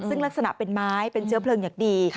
ซึ่งลักษณะเป็นไม้เป็นเชื้อเพลิงอย่างดี